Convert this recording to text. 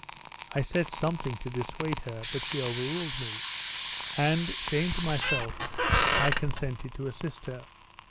I said something to dissuade her, but she overruled me; and, shame to myself, I consented to assist her.